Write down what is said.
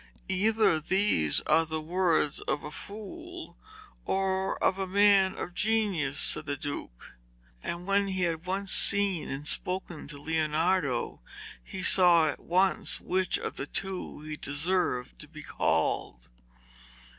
'Either these are the words of a fool, or of a man of genius,' said the Duke. And when he had once seen and spoken to Leonardo he saw at once which of the two he deserved to be called.